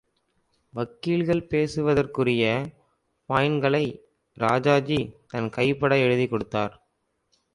வக்கீல்கள் பேசுவதற்குரிய பாயிண்ட்களை ராஜாஜி, தன் கைப்பட எழுதிக் கொடுத்தார்.